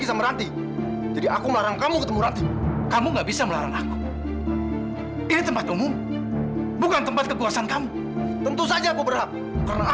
sampai jumpa di video selanjutnya